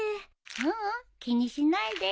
ううん気にしないで。